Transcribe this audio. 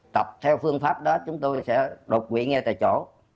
tập theo phương pháp đó chúng tôi sẽ đột quỵ nghe tại chỗ